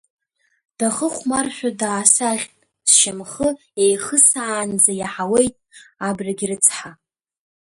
Дахыхәмаршәа даасаӷьт, сшьамхы еихысаанӡа иаҳауеит, Абрагь рыцҳа.